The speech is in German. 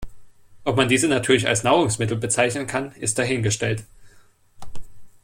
Ob man diese natürlich als Nahrungsmittel bezeichnen kann, ist dahingestellt.